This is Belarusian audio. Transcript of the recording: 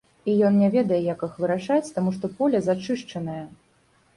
І ён не ведае, як іх вырашаць, таму што поле зачышчанае.